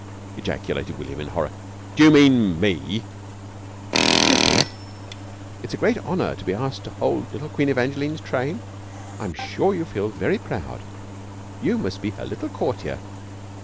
_" ejaculated William in horror. "D'you mean me?" "Yes, dear. It's a great honour to be asked to hold little Queen Evangeline's train. I'm sure you feel very proud. You must be her little courtier."